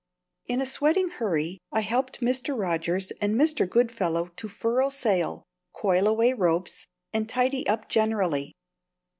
In a sweating hurry I helped Mr. Rogers and Mr. Goodfellow to furl sail, coil away ropes, and tidy up generally.